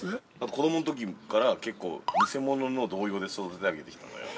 ◆子供のときから、結構、にせものの童謡で育ててあげてきたのよ。